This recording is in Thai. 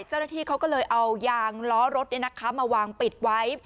เจ้าหน้าที่เขาก็เลยเอายางล้อรถมาวางปิดไว้